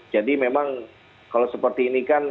jadi memang kalau seperti ini kan